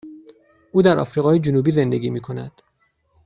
او در آفریقای جنوبی زندگی می کند.